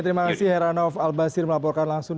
terima kasih heranov albasir melaporkan langsung